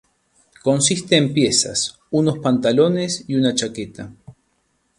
Consiste en piezas: unos pantalones y una chaqueta.